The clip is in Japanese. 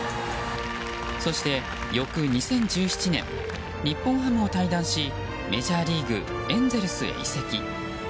そして翌２０１７年日本ハムを対談しメジャーリーグエンゼルスへ移籍。